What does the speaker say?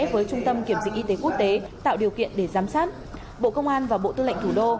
với trung tâm kiểm dịch y tế quốc tế tạo điều kiện để giám sát bộ công an và bộ tư lệnh thủ đô